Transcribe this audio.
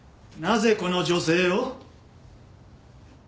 なぜこの女性を？